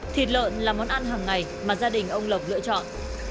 thịt lợn là món ăn hằng ngày mà gia đình ông lộc lựa chọn